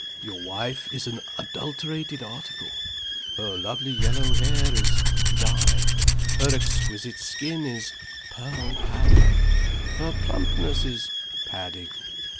Your wife is an adulterated article. Her lovely yellow hair is dye. Her exquisite skin is pearl powder. Her plumpness is padding.